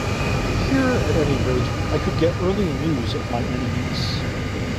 Here, at any rate, I could get early news of my enemies.